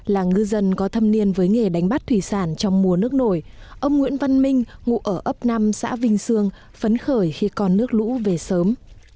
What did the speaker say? là ngư dân có thâm niên với nghề đánh bắt thủy sản trong mùa nước nổi ông nguyễn văn minh ngụ ở ấp năm xã vinh sương phấn khởi khi con nước lũ về sớm